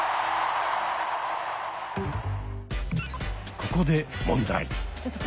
ここで問題。